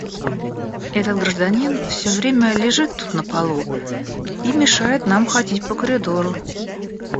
Этот гражданин все время лежит тут на полу и мешает нам ходить по коридору.